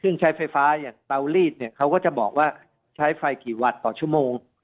ซึ่งใช้ไฟฟ้าอย่างเตาลีดเนี่ยเขาก็จะบอกว่าใช้ไฟกี่วันต่อชั่วโมง